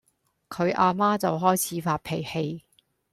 佢呀媽就開始發脾氣